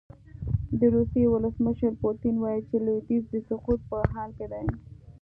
د روسیې ولسمشر پوتین وايي چې لویدیځ د سقوط په حال کې دی.